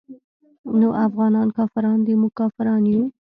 نو افغانان کافران دي موږ کافران يو.